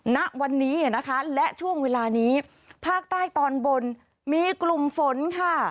ณวันนี้นะคะและช่วงเวลานี้ภาคใต้ตอนบนมีกลุ่มฝนค่ะ